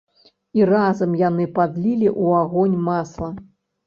І разам яны падлілі ў агонь масла.